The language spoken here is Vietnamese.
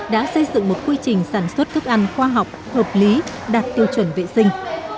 đã xây dựng một quy trình sản xuất thức ăn khoa học hợp lý đạt tiêu chuẩn vệ sinh